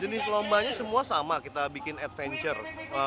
jenis lombanya semua sama kita bikin adventure